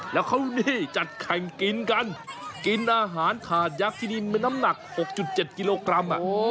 แล้วเขานี่จัดแข่งกินกันกินอาหารถาดยักษ์ที่นี่มีน้ำหนัก๖๗กิโลกรัม